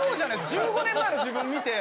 １５年前の自分見て。